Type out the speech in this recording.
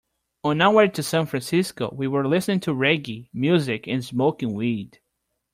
On our way to San Francisco, we were listening to reggae music and smoking weed.